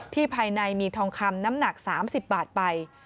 ภายในมีทองคำน้ำหนัก๓๐บาทไป